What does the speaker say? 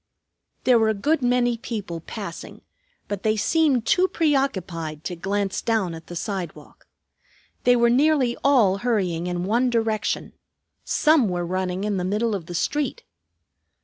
There were a good many people passing, but they seemed too preoccupied to glance down at the sidewalk. They were nearly all hurrying in one direction. Some were running in the middle of the street.